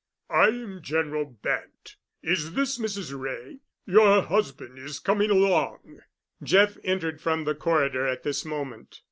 "I am General Bent. Is this Mrs. Wray? Your husband is coming along." Jeff entered from the corridor at this moment.